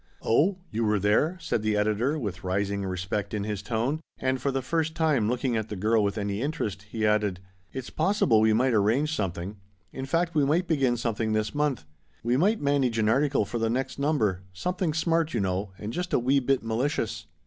"Oh, you were there?" said the editor, with rising respect in his tone ; and for the first time looking at the girl with any interest, he added :" It's possible we might arrange something ; in fact, we might begin something this month. We might manage an article for the next number — something, smart, you know, and just a wee bit mali cious.